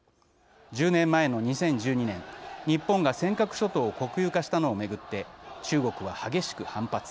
１０年前の２０１２年、日本が尖閣諸島を国有化したのを巡って中国は激しく反発。